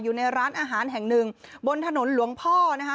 อยู่ในร้านอาหารแห่งหนึ่งบนถนนหลวงพ่อนะคะ